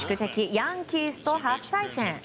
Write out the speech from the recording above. ヤンキースと初対戦。